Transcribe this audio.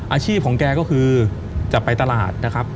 อาชีพของแกก็คือจะไปตลาดนะครับ